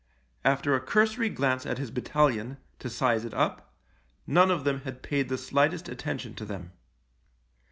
After a cursory glance at his battalion, to size it up, none of them had paid the slightest attention to them.